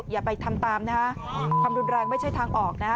อย่าไปทำตามนะฮะความรุนแรงไม่ใช่ทางออกนะฮะ